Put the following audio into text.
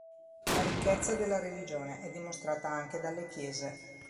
La ricchezza della religione è dimostrata anche dalle chiese.